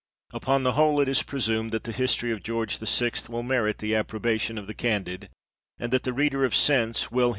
Upon the whole, it is presumed, that the history of George the sixth will merit the approbation of the candid ; and that the reader of sense, will xxxii THE AUTHOR'S PREFACE.